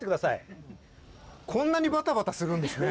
こんなにバタバタするんですね。